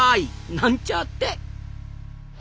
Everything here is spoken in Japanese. なんちゃって。